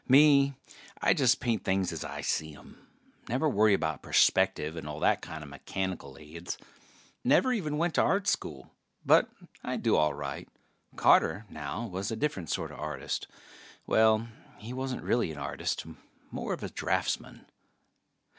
Me, I just paint things as I see 'em. Never worry about perspective and all that kinda mechanical aids. Never even went to Art School. But I do all right. Carter, now, was a different sorta artist. Well, he wasn't really an artist more of a draftsman.